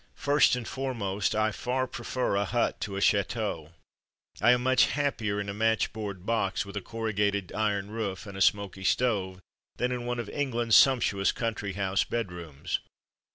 First and fore most, I far prefer a hut to a chateau. I am much happier in a match board box with a corrugated iron roof and a smoky stove, than in one of England's sumptuous country house bedrooms.